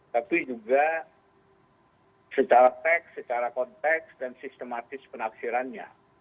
tapi juga secara teks secara konteks dan sistematis penafsirannya